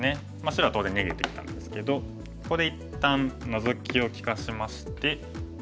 白は当然逃げていったんですけどここで一旦ノゾキを利かしまして。